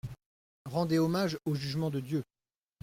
Rendez hommage au jugement de Dieu.